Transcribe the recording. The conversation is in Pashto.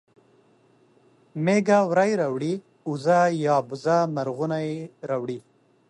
مېږه وری راوړي اوزه یا بزه مرغونی راوړي